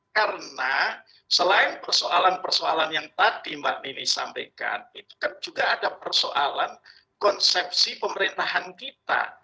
karena selain persoalan persoalan yang tadi mbak nini sampaikan itu kan juga ada persoalan konsepsi pemerintahan kita